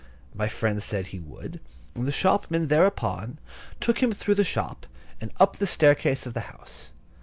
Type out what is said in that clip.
My friend said he would, and the shopman, thereupon, took him through the shop, and up the staircase of the house.